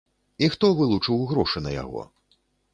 І хто вылучыў грошы на яго?